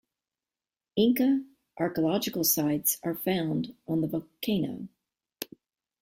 Inca archeological sites are found on the volcano.